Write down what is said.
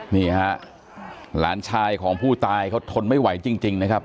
นี่ฮะหลานชายของผู้ตายเขาทนไม่ไหวจริงนะครับ